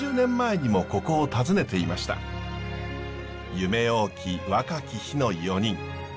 夢多き若き日の４人。